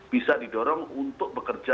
bisa didorong untuk bekerja